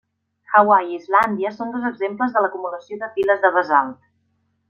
Hawaii i Islàndia són dos exemples de l'acumulació de piles de basalt.